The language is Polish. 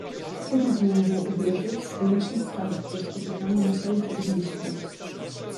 Trudno temu było uwierzyć, bo liczne stada, które spotykano, musiały przecież gdzieś pić.